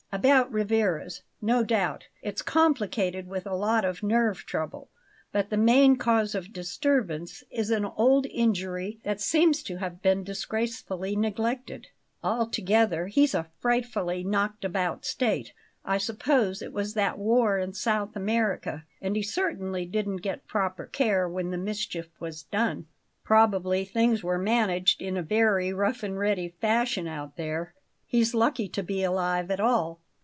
About Rivarez no doubt, it's complicated with a lot of nerve trouble; but the main cause of disturbance is an old injury that seems to have been disgracefully neglected. Altogether, he's in a frightfully knocked about state; I suppose it was that war in South America and he certainly didn't get proper care when the mischief was done. Probably things were managed in a very rough and ready fashion out there; he's lucky to be alive at all.